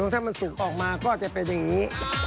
ถ้ามันสุกออกมาก็จะเป็นอย่างนี้